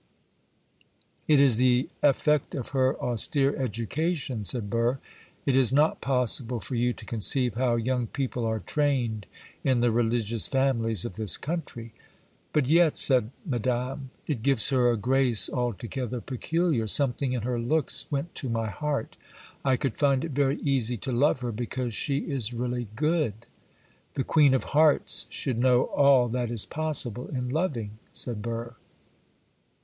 _' 'It is the effect of her austere education,' said Burr. 'It is not possible for you to conceive how young people are trained in the religious families of this country.' 'But yet,' said Madame, 'it gives her a grace altogether peculiar; something in her looks went to my heart. I could find it very easy to love her, because she is really good.' 'The Queen of Hearts should know all that is possible in loving,' said Burr.